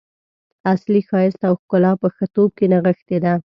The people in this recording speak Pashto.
اصلي ښایست او ښکلا په ښه توب کې نغښتې ده.